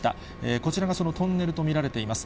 こちらがそのトンネルと見られています。